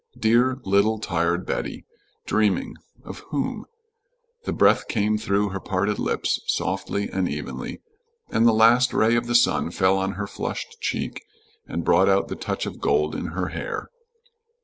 Dear little tired Betty! Dreaming, of whom? The breath came through her parted lips, softly and evenly, and the last ray of the sun fell on her flushed cheek and brought out the touch of gold in her hair.